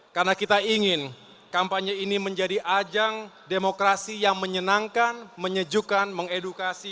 karena kita ingin kampanye ini menjadi ajang demokrasi yang menyenangkan menyejukkan mengedukasi